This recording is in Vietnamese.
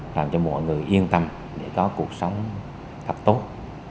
làm cho mọi người yên tâm để có cuộc sống thật tốt